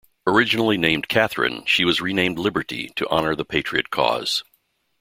Originally named Katherine, she was renamed "Liberty" to honor the patriot cause.